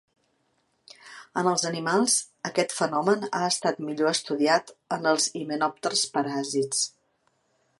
En els animals, aquest fenomen ha estat millor estudiat en els himenòpters paràsits.